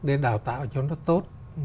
để đào tạo cho nó tốt